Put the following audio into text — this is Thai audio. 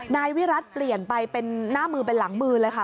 นายวิรัติเปลี่ยนไปเป็นหน้ามือเป็นหลังมือเลยค่ะ